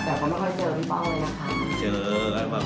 แต่เค้าไม่อยากทำกินป้อบเลย